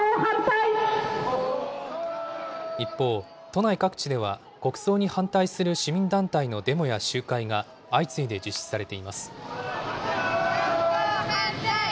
一方、都内各地では国葬に反対する市民団体のデモや集会が相次いで実施されています。